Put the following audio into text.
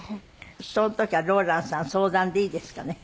その時はローランさん相談でいいですかね？